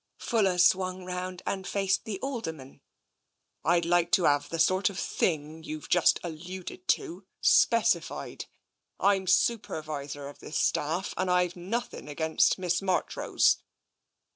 Fuller swung round and faced the Alderman. " I'd like to have the sort of thing you've just al luded to, specified. I'm Supervisor of this staff, and I've nothing against Miss Marchrose."